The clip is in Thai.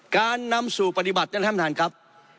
การนำสู่ปฏิบัติน่าท่านพนันครับ